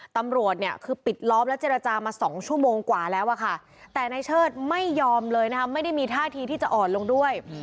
ตำรวจเนี่ยคือปิดล้อมและเจรจามา๒ชั่วโมงกว่าแล้วอะค่ะแต่นายเชิดไม่ยอมเลยนะคะไม่ได้มีท่าทีที่จะอ่อนลงด้วย